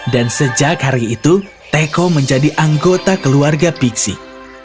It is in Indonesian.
dan sejak hari itu teko menjadi anggota keluarga pixie